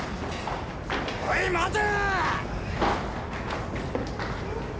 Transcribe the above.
おい待て！